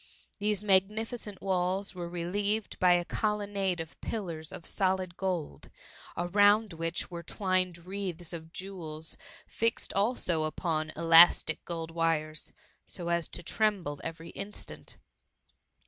These magni ficent walls were relieved by a colonnade of pillars of solid gold, around which were twined wreaths of jewels fixed also upon elastic gold wires, so as to tremble every instant.